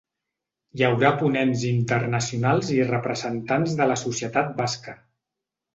Hi haurà ponents internacionals i representants de la societat basca.